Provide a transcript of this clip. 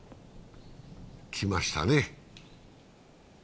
きましたね。